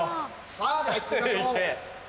さぁではいってみましょう。